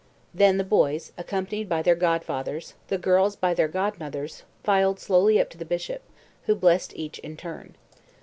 Then the boys, accompanied by their godfathers, the girls by their godmothers, filed slowly up to the bishop, who blessed each in turn.